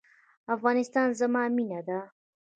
افغانستان زما مینه ده؟